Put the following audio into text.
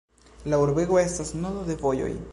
La urbego estas nodo de vojoj.